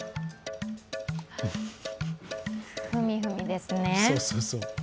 踏み踏みですね。